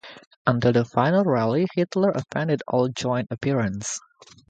Until the final rally, Hitler evaded all joint appearances.